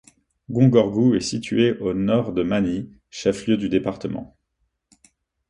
Gongorgou est situé à au Nord de Manni, chef-lieu du département.